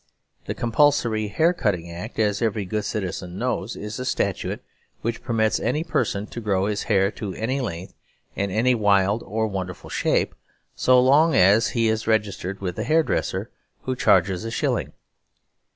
The Compulsory Haircutting Act, as every good citizen knows, is a statute which permits any person to grow his hair to any length, in any wild or wonderful shape, so long as he is registered with a hairdresser who charges a shilling.